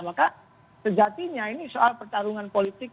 maka sejatinya ini soal pertarungan politik